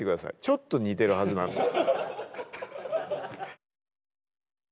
ちょっと似てるはずなんで。